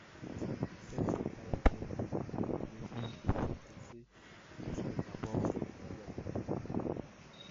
Cette bataille permit à l'Armée rouge de progresser jusqu'aux abords immédiats de Berlin.